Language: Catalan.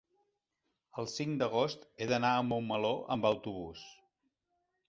el cinc d'agost he d'anar a Montmeló amb autobús.